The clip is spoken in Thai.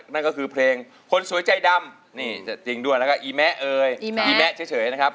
นั่นก็คือเพลงคนสวยใจดำนี่จะจริงด้วยแล้วก็อีแมะเอ่ยอีแมะเฉยนะครับ